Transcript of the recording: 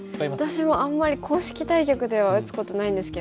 私もあんまり公式対局では打つことないんですけど。